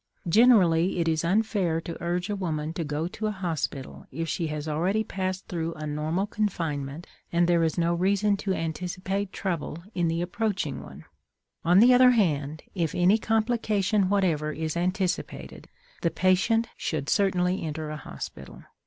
Generally it is unfair to urge a woman to go to a hospital if she has already passed through a normal confinement and there is no reason to anticipate trouble in the approaching one; on the other hand, if any complication whatever is anticipated, the patient should certainly enter a hospital.